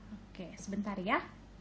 oke sebentar ya